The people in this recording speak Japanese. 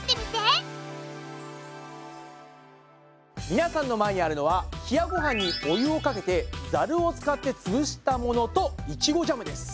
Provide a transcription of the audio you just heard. みなさんの前にあるのは冷やごはんにお湯をかけてざるを使ってつぶしたものといちごジャムです。